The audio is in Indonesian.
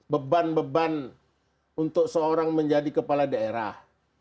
beban beban untuk seorang menjadi kepala daerah